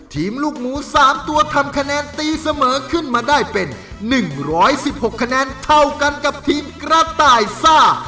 ลูกหมู๓ตัวทำคะแนนตีเสมอขึ้นมาได้เป็น๑๑๖คะแนนเท่ากันกับทีมกระต่ายซ่า